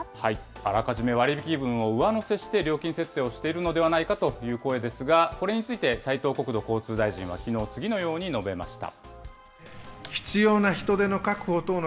あらかじめ割引分を上乗せして料金設定をしているのではないかという声ですが、これについて斉藤国土交通大臣はきのう、次のように述べました。